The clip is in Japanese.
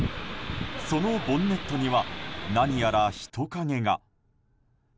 そのボンネットには何やら人影が。